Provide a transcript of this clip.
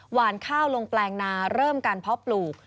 หวานข้าวลงแปลงนาเริ่มการเพาะปลูก